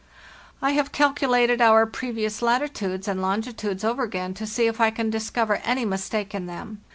"1 have calculated our previous latitudes and longi tudes over again to see if I can discover any mistake in them.